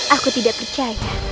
aku tidak percaya